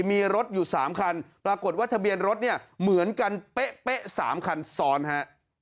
มีรถอยู่๓คันปรากฏว่าทะเบียนรถเนี่ยเหมือนกันเป๊ะ๓คันซ้อนฮะ